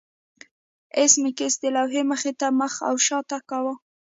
ایس میکس د لوحې مخې ته مخ او شا تګ کاوه